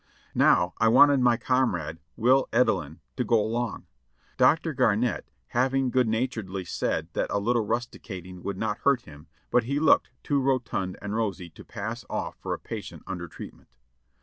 Now I wanted my comrade, Will Edelin, to go along, Dr. Gar nett having good naturedly said that a little rusticating would not hurt him ; but he looked too rotund and rosy to pass off for a patient under treatment.